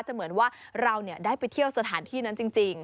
เหมือนว่าเราได้ไปเที่ยวสถานที่นั้นจริง